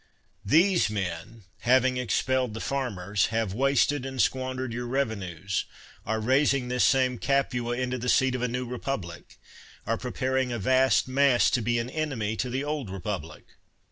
These men, having expelled the farmers, have wasted and squandered your reve nues, are raising this same Capua into the seat of a new republic, are preparing a vast mass to be an enemy to the old republic.